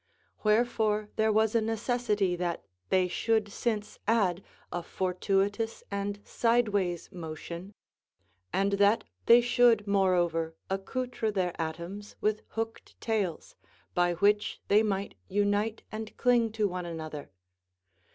Wherefore there was a necessity that they should since add a fortuitous and sideways motion, and that they should moreover accoutre their atoms with hooked tails, by which they might unite and cling to one another.